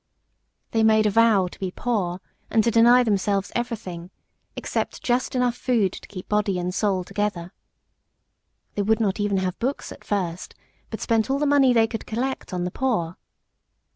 They made a vow to be poor, and to deny themselves everything, except just enough food to keep body and soul together. They would not even have books at first, but spent all the money they could collect on the poor.